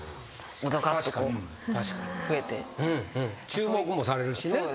注目もされるしね。